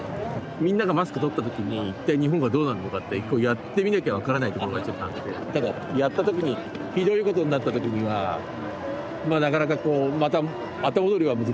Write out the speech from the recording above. みんながマスクを取った時に一体日本がどうなるのかってやってみなきゃ分からないところがちょっとあってただやった時にひどいことになった時にはなかなか後戻りは難しい。